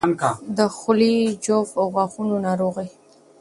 د خولې د جوف او غاښونو ناروغۍ